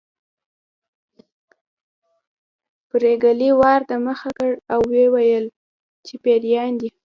پريګلې وار د مخه کړ او وویل چې پيريان دي